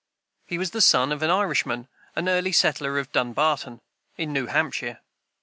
He was the son of an Irishman, an early settler of Dunbarton, in New Hampshire.